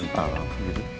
kan kamu yang ngajarin